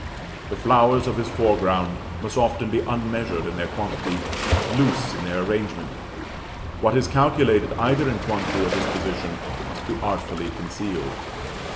The flowers of his foreground must often be unmeasured in their quantity, loose in their arrangement: what is calculated, either in quantity or disposition, must be artfully concealed.